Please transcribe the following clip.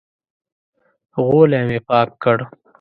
غولی مې پاک کړ.